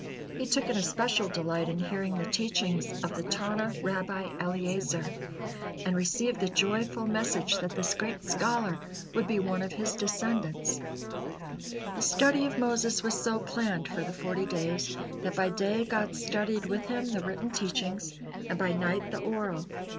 He took an especial delight in hearing the teachings of the Tanna Rabbi Eliezer, and received the joyful message that this great scholar would be one of his descendants. The study of Moses was so planned for the forty days, that by day God studied with him the written teachings, and by night the oral.